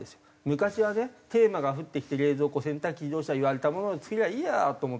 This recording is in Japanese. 昔はねテーマが降ってきて冷蔵庫洗濯機自動車言われたものを作ればいいやと思ってその延長線上。